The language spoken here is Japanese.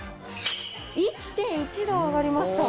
１．１度上がりました。